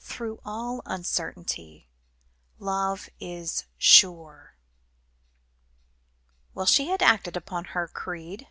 Through all uncertainty love is sure." Well, she had acted up to her creed.